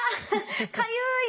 かゆい。